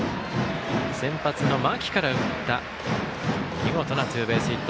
先発の間木から打った見事なツーベースヒット。